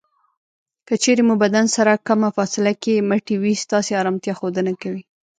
که چېرې مو بدن سره کمه فاصله کې مټې وي ستاسې ارامتیا ښودنه کوي.